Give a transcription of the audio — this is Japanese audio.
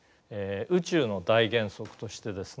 宇宙の大原則としてですね